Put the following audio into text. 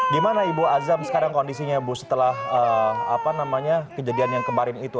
gimana ibu azam sekarang kondisinya bu setelah kejadian yang kemarin itu